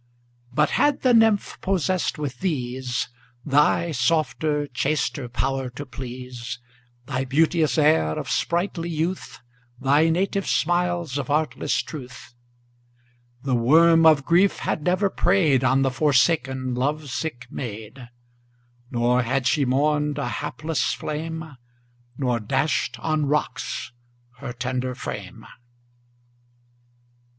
2 But had the nymph possess'd with these Thy softer, chaster power to please, Thy beauteous air of sprightly youth, Thy native smiles of artless truth 3 The worm of grief had never prey'd On the forsaken love sick maid; Nor had she mourn'd a hapless flame, Nor dash'd on rocks her tender frame.